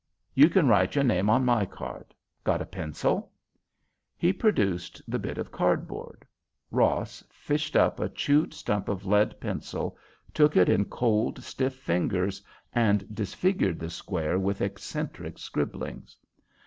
You can write your name on my card. Got a pencil?" He produced the bit of cardboard; Ross fished up a chewed stump of lead pencil, took it in cold, stiff fingers, and disfigured the square with eccentric scribblings.